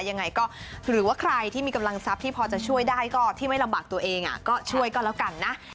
ยังไงก็หรือว่าใครที่มีกำลังทรัพย์ที่พอจะช่วยได้ก็ที่ไม่ลำบากตัวเองก็ช่วยก็แล้วกันนะ